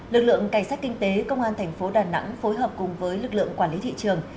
lực lượng cảnh sát kinh tế công an thành phố đà nẵng phối hợp cùng với lực lượng quản lý thị trường